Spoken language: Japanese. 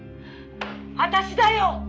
「私だよ！」